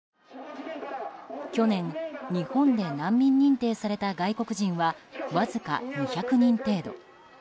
去年、日本で難民認定された外国人はわずか２００人程度。